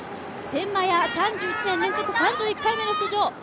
天満屋は３１年連続３１回の出場。